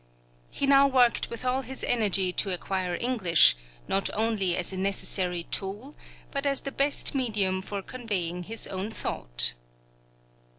He now worked with all his energy to acquire English, not only as a necessary tool, but as the best medium for conveying his own thought.